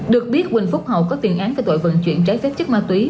được biết quỳnh phúc hậu có tiền án về tội vận chuyển trái phép chức má túy